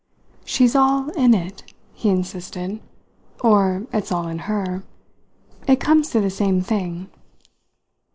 "She's all in it," he insisted. "Or it's all in her. It comes to the same thing."